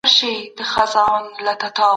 ولي په خونو کي رنګونه رواني حالت بدلولای سي؟